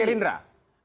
teman teman dari rindra